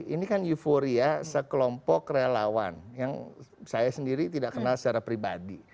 ini kan euforia sekelompok relawan yang saya sendiri tidak kenal secara pribadi